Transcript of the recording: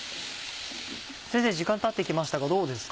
先生時間たってきましたがどうですか？